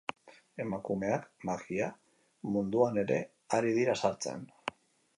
Emakumeak magia munduan ere ari dira sartzen.